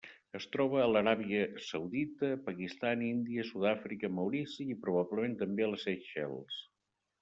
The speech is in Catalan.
Es troba a l'Aràbia Saudita, Pakistan, Índia, Sud-àfrica, Maurici i, probablement també, a les Seychelles.